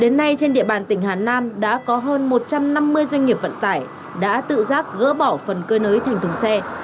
đến nay trên địa bàn tỉnh hà nam đã có hơn một trăm năm mươi doanh nghiệp vận tải đã tự giác gỡ bỏ phần cơ nới thành thùng xe